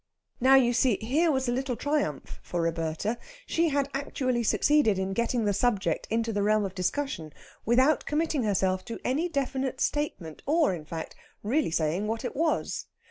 Now, you see, here was a little triumph for Roberta she had actually succeeded in getting the subject into the realm of discussion without committing herself to any definite statement, or, in fact, really saying what it was.